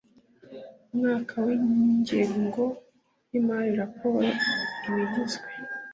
mwaka w ingengo y imari raporo iba igizwe